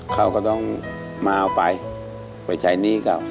เขาก็ต้องมาเอาไปไปใช้หนี้เก่า